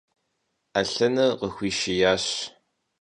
Ӏэлъыныр къыхуишиящ.